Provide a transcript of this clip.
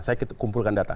saya kumpulkan data